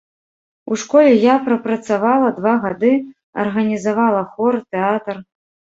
У школе я прапрацавала два гады, арганізавала хор, тэатр.